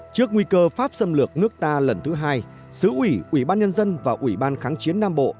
trước nguy cơ pháp xâm lược nước ta lần thứ hai xứ ủy ủy ban nhân dân và ủy ban kháng chiến nam bộ